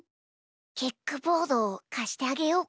キックボードかしてあげようか？